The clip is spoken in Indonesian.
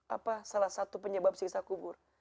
apa salah satu penyebab sisa kubur